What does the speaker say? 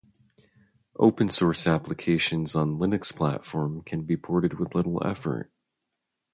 Open source applications on Linux Platform can be ported with little effort.